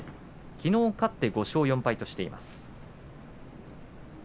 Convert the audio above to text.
きのう勝って５勝４敗としています。